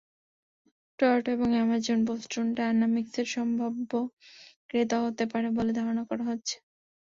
Toyota এবং Amazon Boston ডাইনামিকসের সম্ভাব্য ক্রেতা হতে পারে বলে ধারণা করা হচ্ছে।